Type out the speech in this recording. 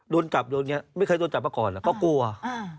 โดนจับโดนอย่างเงี้ยไม่เคยโดนจับไปก่อนล่ะเขากลัวอ่ะอ่า